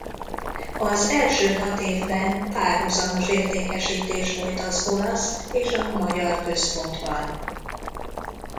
Az első hat évben párhuzamos értékesítés folyt az olasz és a magyar központban.